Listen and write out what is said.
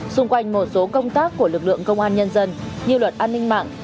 xung quanh một số công tác của lực lượng công an nhân dân như luật an ninh mạng